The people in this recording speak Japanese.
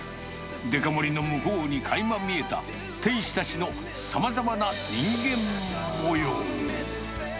デカ盛りの向こうにかいま見えた、店主たちのさまざまな人間もよう。